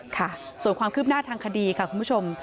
ค่ะส่วนความคืบหน้าทางคดีค่ะคุณผู้ชม